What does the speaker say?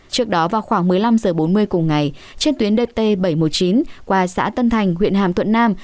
trước đó vào khoảng một mươi năm h bốn mươi cùng ngày trên tuyến dt bảy trăm một mươi chín qua xã tân thành huyện hàm thuận nam